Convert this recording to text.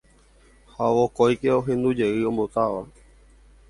Ha vokóike ohendujey ombotáva.